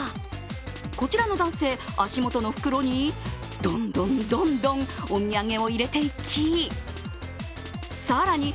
こちらの男性、足元の袋にどんどん、どんどんお土産を入れていき更に